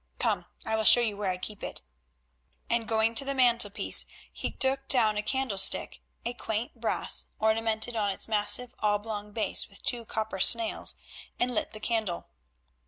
Come, I will show you where I keep it," and going to the mantelpiece he took down a candle stick, a quaint brass, ornamented on its massive oblong base with two copper snails, and lit the candle.